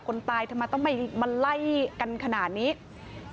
คนตายทำไมต้องมาไล่กันขนาดนี้